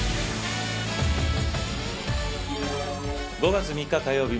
５月３日火曜日